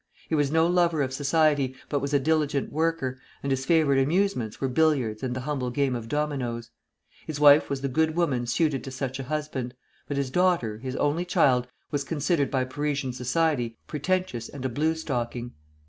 He was no lover of society, but was a diligent worker, and his favorite amusements were billiards and the humble game of dominoes. His wife was the good woman suited to such a husband; but his daughter, his only child, was considered by Parisian society pretentious and a blue stocking.